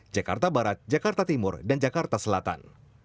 jakarta barat jakarta timur dan jakarta selatan